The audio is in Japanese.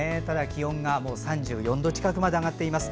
気温が３４度近くまで上がっています。